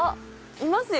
いますよ。